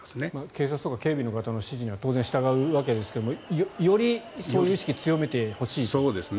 警察とか警備の方の指示には当然、従うわけですがよりそういう意識を強めてほしいと。